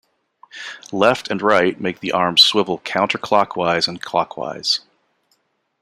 Left and right make the arms swivel counter-clockwise and clockwise.